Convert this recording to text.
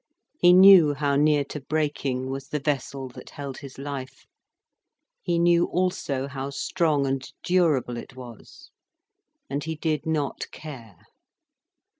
He knew how near to breaking was the vessel that held his life. He knew also how strong and durable it was. And he did not care.